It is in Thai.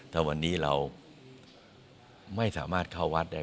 ถ้าวันนี้เราไม่สามารถเข้าวัดได้